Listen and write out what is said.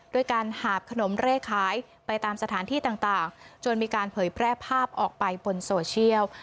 ด้วยการหาบขนมเร่ขายไปตามสถานที่ต่างจนมีการเผยแพร่ภาพออกไปบนโซเชียล